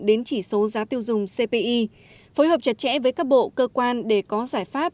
đến chỉ số giá tiêu dùng cpi phối hợp chặt chẽ với các bộ cơ quan để có giải pháp